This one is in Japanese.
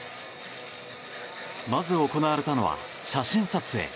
まず行われたのは写真撮影。